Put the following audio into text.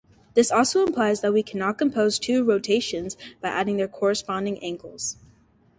This also implies that we cannot compose two rotations by adding their corresponding angles.